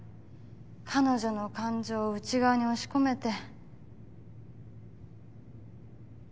彼女の感情を内側に押し込めて。